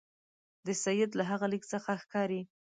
د سید له هغه لیک څخه ښکاري.